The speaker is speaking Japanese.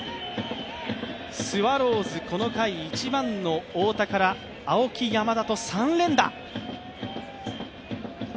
スワローズこの回１番の太田から青木、山田と３連打。